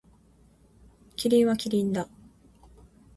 キリンはキリンだ。